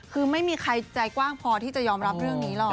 คือไม่มีใครใจกว้างพอที่จะยอมรับเรื่องนี้หรอก